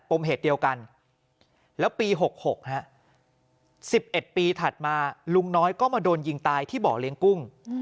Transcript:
มเหตุเดียวกันแล้วปี๖๖๑๑ปีถัดมาลุงน้อยก็มาโดนยิงตายที่บ่อเลี้ยงกุ้ง